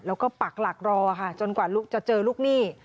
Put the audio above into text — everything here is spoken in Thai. แล้วก็ปักหลักรอค่ะจนกว่าจะเจอลูกหนี้